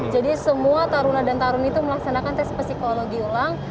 jadi semua taruna dan tarun itu melaksanakan tes psikologi ulang